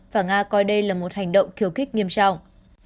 và nga coi đây là một hành động khiêu kích nghiêm trọng